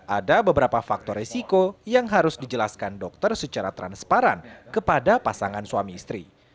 ada beberapa faktor resiko yang harus dijelaskan dokter secara transparan kepada pasangan suami istri